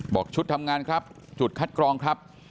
บอกชุดทำงานครับจุดคัดกรองครับ